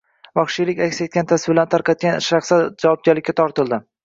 Vahshiylik aks etgan tasvirlarni tarqatgan shaxslar javobgarlikka tortildi